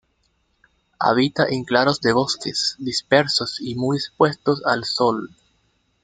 Habita en claros de bosques, dispersos y muy expuestos al sol.